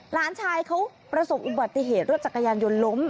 หลานชายเขาประสบอุบัติเหตุรถจักรยานยนต์ล้ม